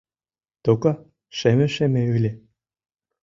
Тока шеме-шеме ыле.